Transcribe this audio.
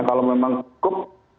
kalau memang cukup